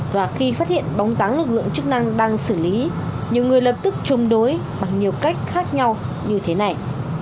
và khi phát hiện bóng dáng lực lượng chức năng đang xử lý nhiều người lập tức chống đối bằng nhiều cách khác nhau như thế này